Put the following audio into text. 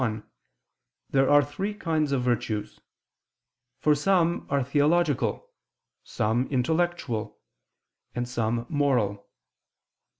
1), there are three kinds of virtues: for some are theological, some intellectual, and some moral.